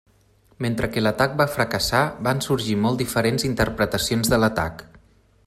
Mentre que l'atac va fracassar, van sorgir molt diferents interpretacions de l'atac.